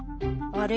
あれ？